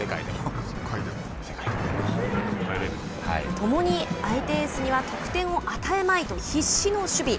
ともに相手エースには得点を与えまいと必死の守備。